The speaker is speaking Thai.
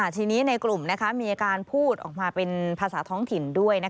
ทีนี้ในกลุ่มมีอาการพูดออกมาเป็นภาษาท้องถิ่นด้วย